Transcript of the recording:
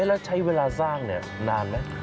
แล้วใช้เวลาสร้างนานไหม